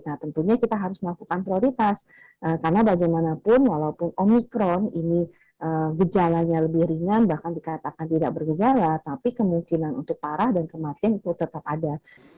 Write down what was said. nah tentunya kita harus melakukan prioritas karena bagaimanapun walaupun omikron ini gejalanya lebih ringan bahkan dikatakan tidak bergejala tapi kemungkinan untuk parah dan kematian itu tetap ada